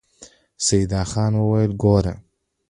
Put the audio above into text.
سيدال خان وويل: ګوره!